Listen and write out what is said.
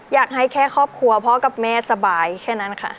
อยากให้แค่ครอบครัวพ่อกับแม่สบายแค่นั้นค่ะ